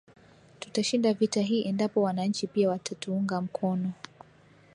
Tutashinda vita hii endapo wananchi pia watatuunga mkono